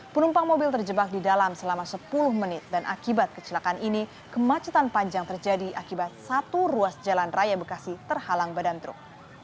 penumpang mobil terjebak di dalam selama sepuluh menit dan akibat kecelakaan ini kemacetan panjang terjadi akibat satu ruas jalan raya bekasi terhalang badan truk